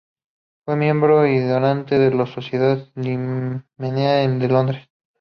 Fue miembro y donante de la Sociedad linneana de Londres.